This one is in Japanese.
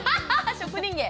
職人芸。